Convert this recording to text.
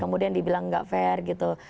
kemudian dibilang nggak fair gitu